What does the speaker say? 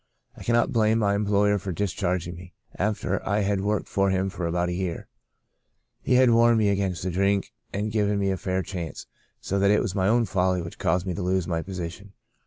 I cannot blame my employer for discharging me, after I had worked for him for about a year. He had warned me against drink and given me a fair chance, so that it was my own folly which caused me to lose my position.